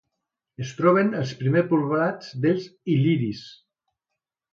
Es troben els primers poblats dels il·liris.